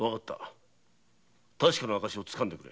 確かな証をつかんでくれ。